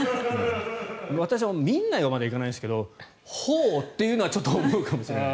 私も見んなよとまではいかないですけどほおというのはちょっと思うかもしれない。